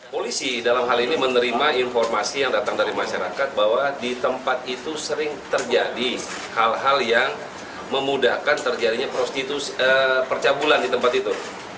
polisi dalam hal ini menerima informasi yang datang dari masyarakat bahwa di tempat itu sering terjadi hal hal yang memudahkan terjadinya percabulan di tempat itu